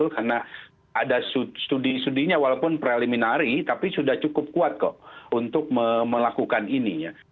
karena ada studi studinya walaupun preliminari tapi sudah cukup kuat kok untuk melakukan ini